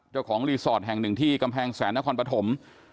เจ้าของรีสอร์ทแห่งหนึ่งที่กำแพงแสนนครปฐม